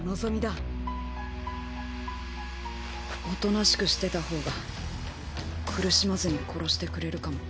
おとなしくしてた方が苦しまずに殺してくれるかも。